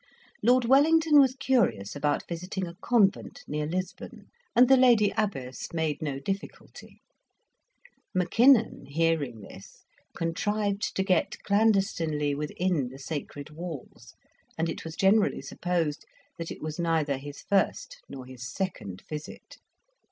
Lord Wellington was curious about visiting a convent near Lisbon, and the lady abbess made no difficulty; Mackinnon, hearing this, contrived to get clandestinely within the sacred walls, and it was generally supposed that it was neither his first nor his second visit.